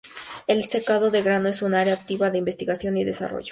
El secado de grano es un área activa de investigación y desarrollo.